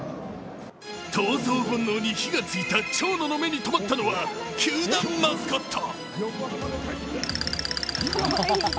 闘争本能に火がついた蝶野の目にとまったのは球団マスコット。